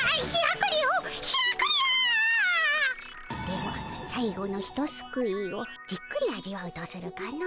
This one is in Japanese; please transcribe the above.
では最後のひとすくいをじっくり味わうとするかの。